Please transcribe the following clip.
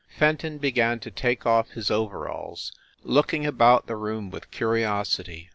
Fenton began to take off his overalls, looking about the room with curiosity.